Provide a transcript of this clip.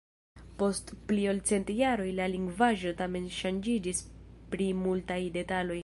Post pli ol cent jaroj la lingvaĵo tamen ŝanĝiĝis pri multaj detaloj.